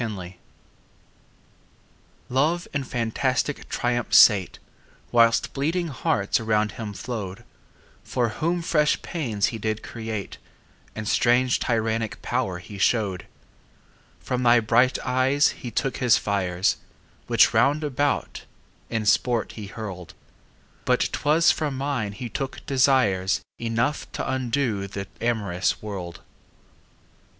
Song LOVE in fantastic triumph sate Whilst bleeding hearts around him flow'd, For whom fresh pains he did create And strange tyrannic power he show'd: From thy bright eyes he took his fires, 5 Which round about in sport he hurl'd; But 'twas from mine he took desires Enough t' undo the amorous world.